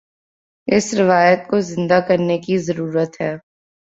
اس روایت کو زندہ کرنے کی ضرورت ہے۔